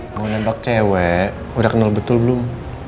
mau nembak cewek udah kenal betul belum